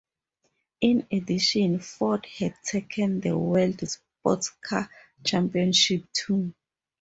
In addition, Ford had taken the World Sportscar Championship, too.